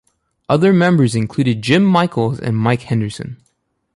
Other members included Jim Michels and Mike Henderson.